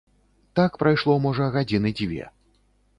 Так прайшло, можа, гадзіны дзве.